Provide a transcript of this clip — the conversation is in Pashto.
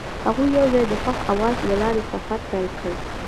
هغوی یوځای د خوښ اواز له لارې سفر پیل کړ.